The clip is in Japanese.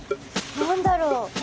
何だろう？